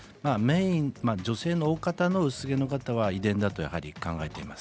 女性の大方の薄毛の方は遺伝だと考えています。